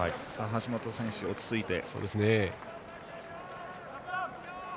橋本選手、落ち着いて。